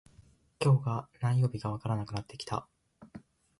今日が何曜日かわからなくなってきた